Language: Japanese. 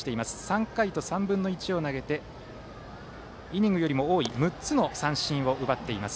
３回と３分の１を投げてイニングよりも多い６つの三振を奪っています。